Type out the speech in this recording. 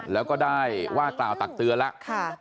แล้วก็ได้ว่ากล่าวตักเตือนแล้ว